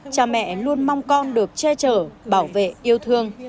cha mẹ luôn mong con được che chở bảo vệ yêu thương